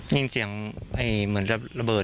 ยินเสียงเหมือนระเบิด